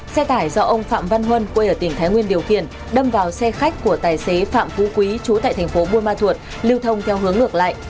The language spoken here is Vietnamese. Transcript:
xe tải do ông phạm văn huân quê ở tỉnh thái nguyên điều khiển đâm vào xe khách của tài xế phạm phú quý chú tại thành phố buôn ma thuột lưu thông theo hướng ngược lại